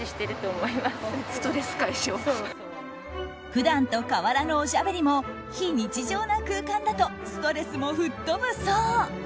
普段と変わらぬおしゃべりも非日常な空間だとストレスも吹っ飛ぶそう。